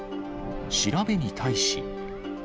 調べに対し。